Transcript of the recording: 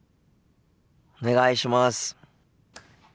お願いします。